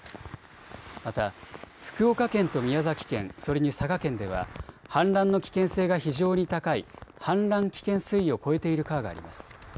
また福岡県と宮崎県、それに佐賀県では氾濫の危険性が非常に高い氾濫危険水位を超えている川があります。